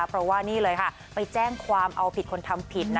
เพราะว่านี่เลยค่ะไปแจ้งความเอาผิดคนทำผิด